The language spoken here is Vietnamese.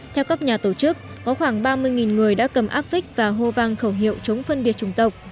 theo các nhà tổ chức có khoảng ba mươi người đã cầm áp vích và hô vang khẩu hiệu chống phân biệt chủng tộc